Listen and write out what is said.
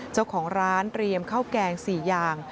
เจ้าของร้านเตรียมข้าวแกง๔อย่าง